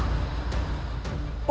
untuk menikah denganmu